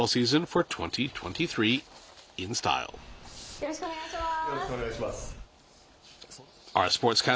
よろしくお願いします。